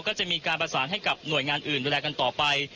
ก็จะมีการประสานให้กับหน่วยงานอื่นดูแลกันต่อไป